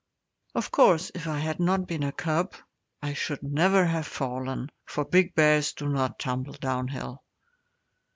Of course, if I had not been a cub I should never have fallen, for big bears do not tumble downhill.